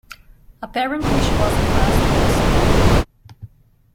Apparently she was a fast vessel.